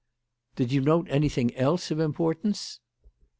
"Did you note anything else of importance?"